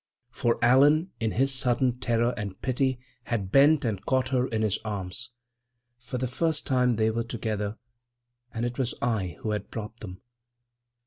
For Allan, in his sudden terror and pity, had bent and caught her in his arms. For the first time they were together; and it was I who had brought them.